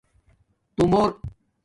تُݸمُور